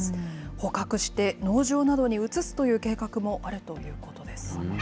捕獲して農場などに移すという計画もあるということです。